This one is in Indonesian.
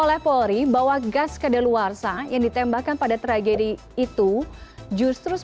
apa pendapat dari pak sutris